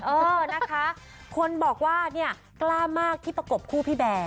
เออนะคะคนบอกว่าเนี่ยกล้ามากที่ประกบคู่พี่แบร์